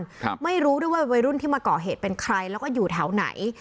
ครับไม่รู้ด้วยว่าวัยรุ่นที่มาก่อเหตุเป็นใครแล้วก็อยู่แถวไหน